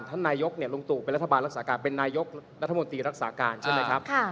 ท่านนายกลุงตู่เป็นรัฐบาลรักษาการเป็นนายกรัฐมนตรีรักษาการใช่ไหมครับ